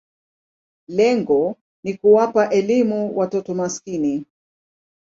Lengo ni kuwapa elimu watoto maskini.